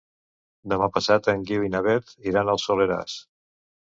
Demà passat en Guiu i na Beth iran al Soleràs.